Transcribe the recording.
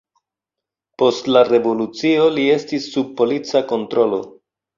Post la Revolucio li estis sub polica kontrolo.